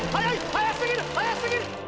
速すぎる速すぎる！